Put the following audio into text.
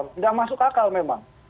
nggak masuk akal memang